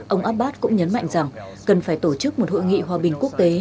ông abbas cũng nhấn mạnh rằng cần phải tổ chức một hội nghị hòa bình quốc tế